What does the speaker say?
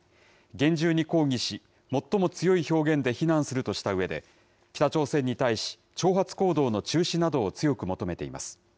厳重に抗議し、最も強い表現で非難するとしたうえで、北朝鮮に対し、挑発行動の中止などを強く求めています。